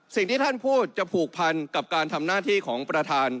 สิ่งที่ท่านพูดจะผูกพันกับการทำหน้าที่ของประธาน